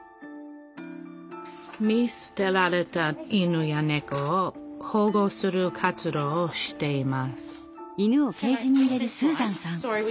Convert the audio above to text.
見すてられた犬やねこを保護する活動をしています